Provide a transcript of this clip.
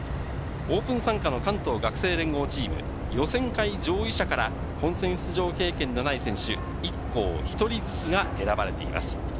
オープン参加の関東学生連合チーム、予選会上位者から本戦出場経験のない選手、１校１人ずつが選ばれています。